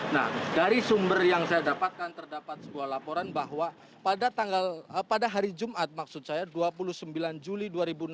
nah dari sumber yang saya dapatkan terdapat sebuah laporan bahwa pada hari jumat maksud saya dua puluh sembilan juli dua ribu enam belas